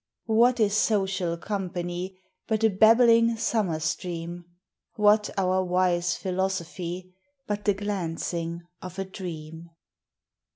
What is social company But a babbling summer stream? What our wise philosophy But the glancing of a dream